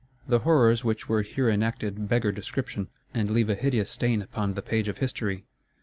The horrors which were here enacted beggar description, and leave a hideous stain upon the page of history.